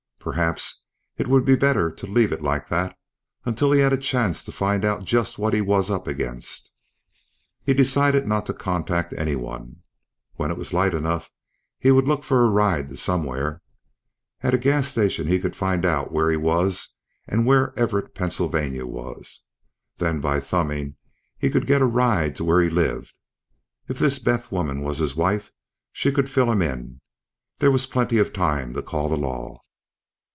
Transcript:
Perhaps it would be better to leave it like that until he had a chance to find out just what he was up against. He decided not to contact anyone. When it was light enough he would look for a ride to somewhere. At a gas station he could find out where he was and where Everett, Pennsylvania was. Then, by thumbing, he could get a ride to where he lived. If this Beth woman was his wife, she could fill him in. There was plenty of time to call the law.